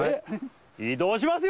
移動しますよ！